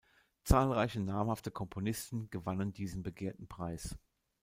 Zahlreiche namhafte Komponisten gewannen diesen begehrten Preis.